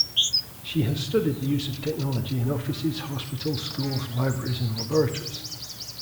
She has studied the use of technology in offices, hospitals, schools, libraries and laboratories.